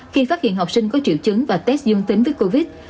khi phát hiện học sinh có triệu chứng và test dương tính với covid